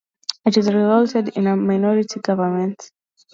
It resulted in a minority government.